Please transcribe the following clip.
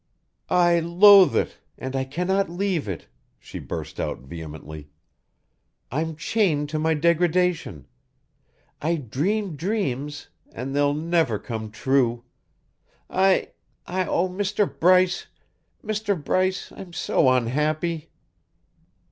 "I loathe it and I cannot leave it," she burst out vehemently. "I'm chained to my degradation. I dream dreams, and they'll never come true. I I oh Mr. Bryce, Mr. Bryce, I'm so unhappy."